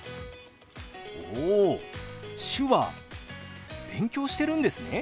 お手話勉強してるんですね。